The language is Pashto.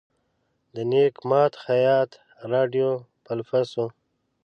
د نیک ماد خیاط راډیو فلپس وه.